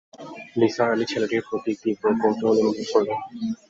নিসার আলি ছেলেটির প্রতি তীব্র কৌতূহল অনুভব করলেন।